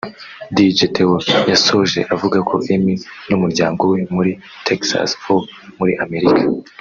Dj Theo yasoje avuga ko Emmy n’umuryango we muri Texas ho muri Amerika